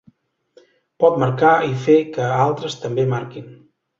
Pot marcar i fer que altres també marquin.